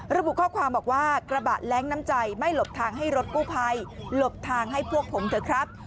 ระบุข้อความบอกว่ากระบะแร้งน้ำใจไม่หลบทางให้รถกู้ภัยหลบทางให้พวกผมเถอะครับ